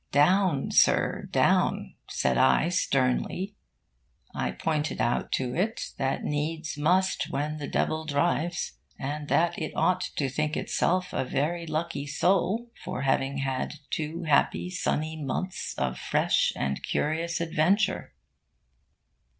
'Down, Sir, down!' said I sternly. I pointed out to it that needs must when the devil drives, and that it ought to think itself a very lucky soul for having had two happy, sunny months of fresh and curious adventure.